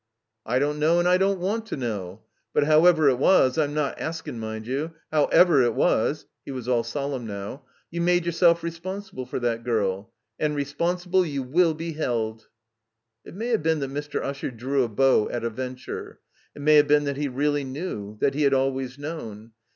I don't know, and I don't want to know. But however it was — ^I'm not askin', mind you — ^how ever it was" — He was aU solemn now — ''jrou made yourself responsible for that girl. And re sponsible you will be held." It may have been that Mr. Usher drew a bow at a venture; it may have been that he really knew, that he had always known.